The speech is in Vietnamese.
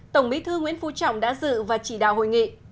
tổng bí thư nguyễn phú trọng đã dự và chỉ đạo hội nghị